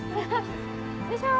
よいしょ。